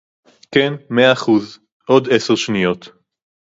כן, מאה אחוז, עוד עשר שניות